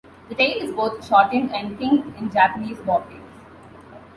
The tail is both shortened and kinked in Japanese Bobtails.